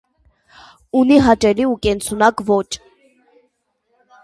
Ունի հաճելի ու կենսունակ ոճ մը։